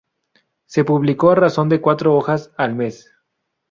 Se publicó a razón de cuatro hojas al mes.